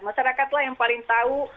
masyarakat lah yang paling tahu